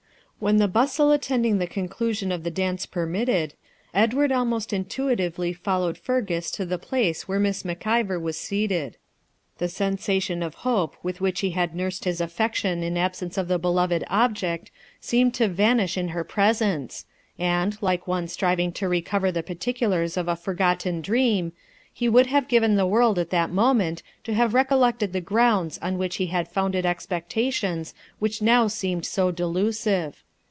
When the bustle attending the conclusion of the dance permitted, Edward almost intuitively followed Fergus to the place where Miss Mac Ivor was seated. The sensation of hope with which he had nursed his affection in absence of the beloved object seemed to vanish in her presence, and, like one striving to recover the particulars of a forgotten dream, he would have given the world at that moment to have recollected the grounds on which he had founded expectations which now seemed so delusive.